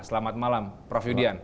selamat malam prof yudian